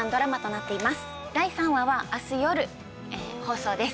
第３話は明日よる放送です。